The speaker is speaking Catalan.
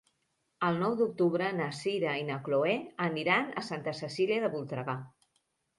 El nou d'octubre na Sira i na Chloé aniran a Santa Cecília de Voltregà.